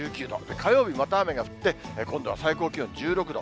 火曜日また雨が降って、今度は最高気温、１６度。